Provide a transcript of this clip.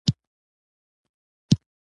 مهارت زده کول صبر ته اړتیا لري.